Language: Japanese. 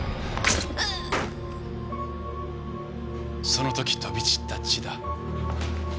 その時飛び散った血だ。